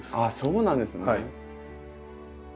あそうなんですね。